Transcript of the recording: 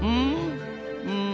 うん？